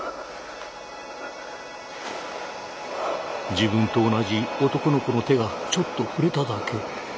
自分と同じ男の子の手がちょっと触れただけ。